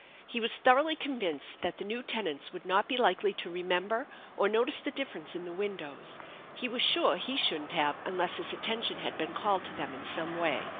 He was thoroughly convinced that the new tenants would not be likely to remember or notice the difference in the windows; he was sure he shouldn't have unless his atten tion had been called to them in some way.